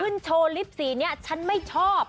ขึ้นโชว์ลิปสีเนี่ยฉันไม่ชอบ